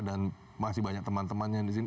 dan masih banyak teman temannya di sini